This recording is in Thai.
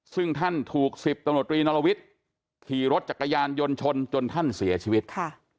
ซึ่งถ้านถูกสิบตนตรีนอลวิตขี่รถจากกระยานยนชนจนถ้านเสียชีวิต